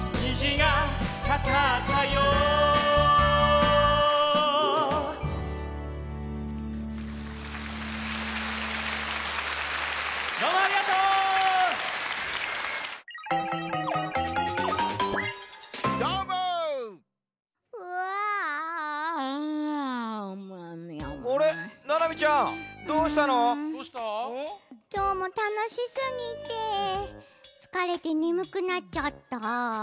きょうもたのしすぎてつかれてねむくなっちゃった。